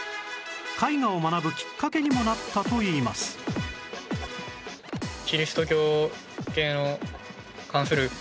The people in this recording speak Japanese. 絵画を学ぶきっかけにもなったといいますだから。